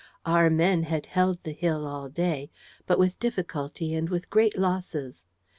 Our men had held the hill all day, but with difficulty and with great losses.